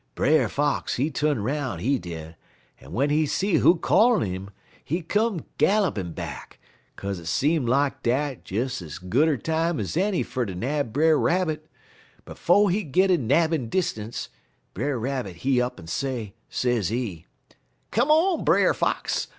"Brer Fox, he tu'n 'roun', he did, en w'en he see who callin' 'im, he come gallopin' back, kaze it seem like dat des ez gooder time ez any fer ter nab Brer Rabbit; but 'fo' he git in nabbin' distance, Brer Rabbit he up'n say, sezee: "'Come on, Brer Fox!